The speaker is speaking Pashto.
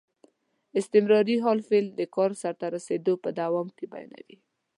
استمراري حال فعل د کار سرته رسېدل په دوام کې بیانیوي.